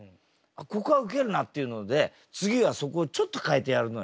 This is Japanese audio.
「ここはウケるな」っていうので次はそこをちょっと変えてやるのよ。